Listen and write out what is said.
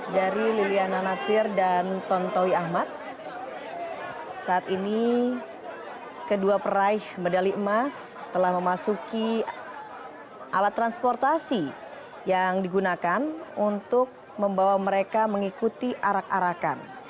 dari liliana natsir dan tontowi ahmad saat ini kedua peraih medali emas telah memasuki alat transportasi yang digunakan untuk membawa mereka mengikuti arak arakan